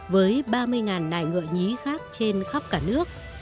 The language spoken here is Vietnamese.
với ba mươi nải ngựa nhí khác trên khắp cả nước